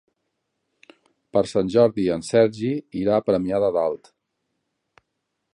Per Sant Jordi en Sergi irà a Premià de Dalt.